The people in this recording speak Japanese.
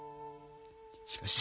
しかし。